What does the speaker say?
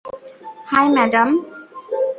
High, madam.